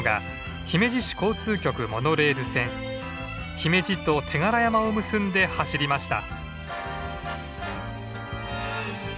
姫路と手柄山を結んで走りました。